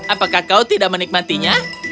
apakah kau tidak menikmatinya